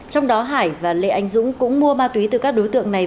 trong đó hải và lê anh dũng cũng mua ma túy từ các đối tượng này